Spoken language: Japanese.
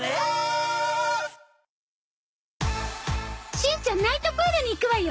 しんちゃんナイトプールに行くわよ！